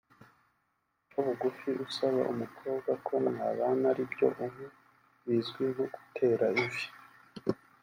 Guca bugufi usaba umukobwa ko mwabana aribyo ubu bizwi nko gutera ivi